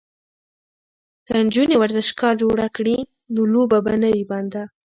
که نجونې ورزشگاه جوړ کړي نو لوبه به نه وي بنده.